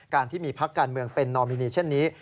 การที่มีพักการเมืองเป็นนอมินีเช่นนี้